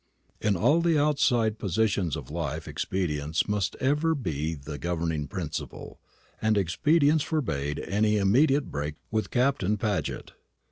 In all the outside positions of life expedience must ever be the governing principle, and expedience forbade any immediate break with Captain Paget.